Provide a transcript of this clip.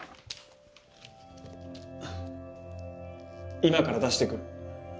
今から出してくる。